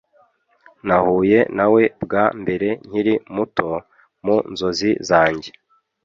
nahuye nawe bwa mbere nkiri muto, mu nzozi zanjye.